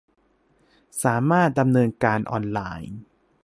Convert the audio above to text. สามารถดำเนินการออนไลน์